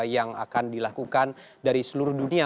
yang akan dilakukan dari seluruh dunia